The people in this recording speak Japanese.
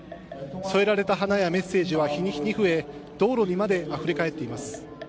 添えられた花やメッセージは日に日に増え道路にまであふれ返っています。